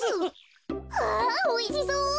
わおいしそう。